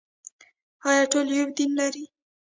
آیا ټول یو دین لري؟